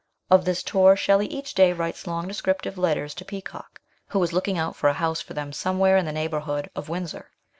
Of this tour Shelley each day writes long descriptive letters to Peacock, who is looking out for a house for them some where in the neighbourhood of Windsor.